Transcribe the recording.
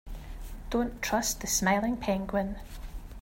Don't trust the smiling penguin.